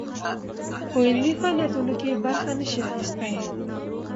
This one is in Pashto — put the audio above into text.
په علمي فعاليتونو کې برخه نه شي اخىستى